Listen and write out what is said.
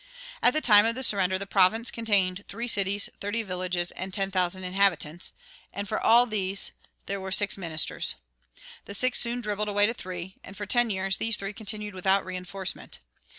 At the time of the surrender the province contained "three cities, thirty villages, and ten thousand inhabitants,"[78:1] and for all these there were six ministers. The six soon dribbled away to three, and for ten years these three continued without reinforcement.